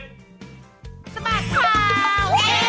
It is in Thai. สมัครข่าวเอ็กซ์